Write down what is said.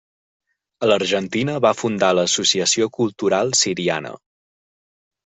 A l'Argentina va fundar l'Associació Cultural Siriana.